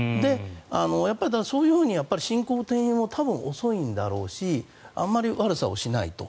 やっぱりそういうふうに進行は遅いんだろうしあまり悪さをしないと。